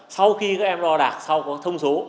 sau khi các em đo đạc sau có thông số